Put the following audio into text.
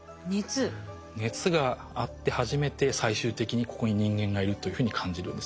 熱があって初めて最終的にここに人間がいるというふうに感じるんですね。